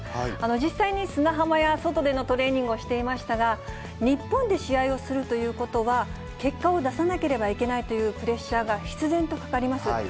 実際に砂浜や外でのトレーニングをしていましたが、日本で試合をするということは、結果を出さなければいけないというプレッシャーが必然とかかります。